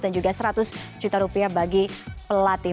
dan juga seratus juta rupiah bagi pelatih